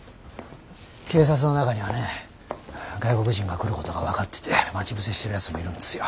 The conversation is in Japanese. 警察の中にはね外国人が来ることが分かってて待ち伏せしてるやつもいるんですよ。